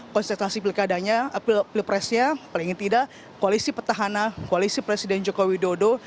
konstentrasi pilpresnya paling tidak koalisi petahana koalisi presiden joko widodo